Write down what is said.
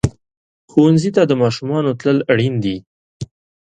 ښوونځي ته د ماشومانو تلل اړین دي.